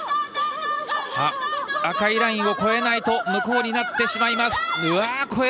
赤いラインを越えないと無効になってしまいます。